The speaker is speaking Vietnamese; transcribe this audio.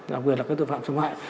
đặc biệt là cái tội phạm xâm hại